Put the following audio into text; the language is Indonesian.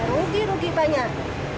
ya rugi rugi banyak